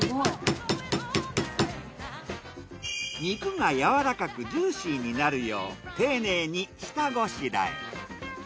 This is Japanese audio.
肉がやわらかくジューシーになるよう丁寧に下ごしらえ。